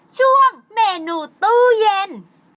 ช่วงเมนูตู้เย็น